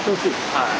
はい。